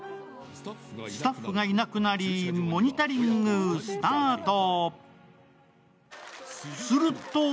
スタッフがいなくなり、モニタリングスタート。